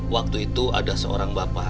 waktu itu ada seorang bapak